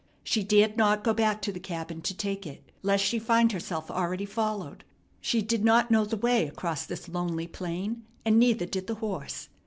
She dared not go back to the cabin to take it, lest she find herself already followed. She did not know the way across this lonely plain, and neither did the horse.